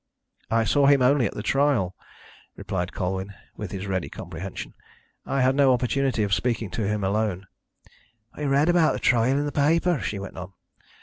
"I saw him only at the trial," replied Colwyn, with his ready comprehension. "I had no opportunity of speaking to him alone." "I read about the trial in the paper," she went on.